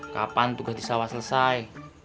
kapan tugas di sawah selesai